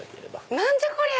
何じゃ⁉こりゃ！